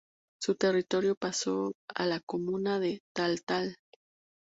Su territorio pasó a la comuna de Taltal.